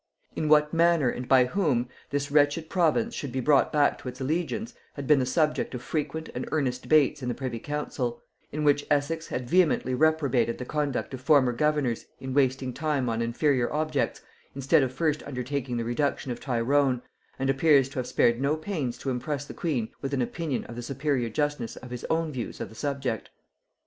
In what manner and by whom, this wretched province should be brought back to its allegiance, had been the subject of frequent and earnest debates in the privy council; in which Essex had vehemently reprobated the conduct of former governors in wasting time on inferior objects, instead of first undertaking the reduction of Tyrone, and appears to have spared no pains to impress the queen with an opinion of the superior justness of his own views of the subject.